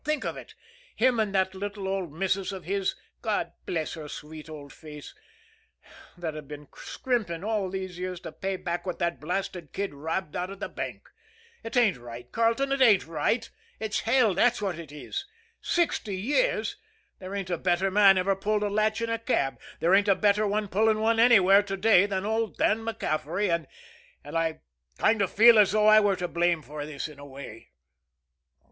Think of it! Him and that little old missus of his, God bless her sweet old face, that have been scrimping all these years to pay back what that blasted kid robbed out of the bank. It ain't right, Carleton it ain't right it's hell, that's what it is! Sixty years! There ain't a better man ever pulled a latch in a cab, there ain't a better one pulling one anywhere to day than old Dan MacCaffery. And and I kind of feel as though I were to blame for this, in a way."